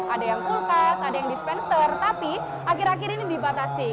ada yang kulkas ada yang dispenser tapi akhir akhir ini dibatasi